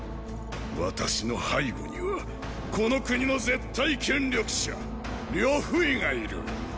私の背後にはこの国の絶対権力者呂不韋がいる！